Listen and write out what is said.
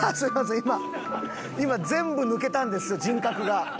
今今全部抜けたんですよ人格が。